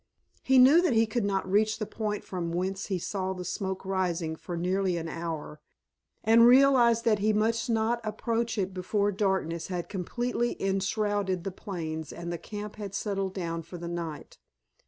He knew that he could not reach the point from whence he saw the smoke rising for nearly an hour, and realized that he must not approach it before darkness had completely enshrouded the plains and the camp had settled down for the night.